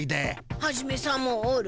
ハジメさんもおる。